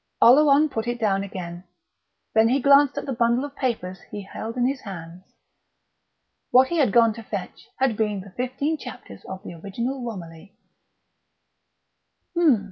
Oleron put it down again; then he glanced at the bundle of papers he held in his hand. What he had gone to fetch had been the fifteen chapters of the original Romilly. "Hm!"